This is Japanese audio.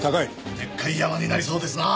でっかいヤマになりそうですなあ。